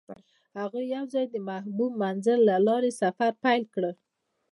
هغوی یوځای د محبوب منظر له لارې سفر پیل کړ.